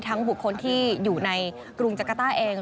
บุคคลที่อยู่ในกรุงจักรต้าเอง